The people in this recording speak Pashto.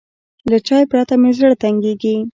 له چای پرته مې زړه تنګېږي.